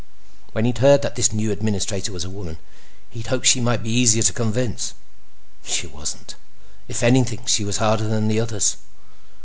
When he'd heard that this new administrator was a woman, he'd hoped she might be easier to convince. She wasn't. If anything, she was harder than the others.